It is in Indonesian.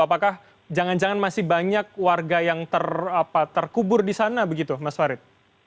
apakah jangan jangan masih banyak warga yang terkubur di sana begitu mas farid